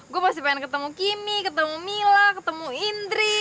gue masih pengen ketemu kimi ketemu mila ketemu indri